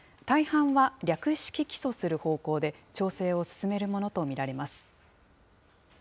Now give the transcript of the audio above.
大半は略式起訴する方向で、調整を進めるものと見られます。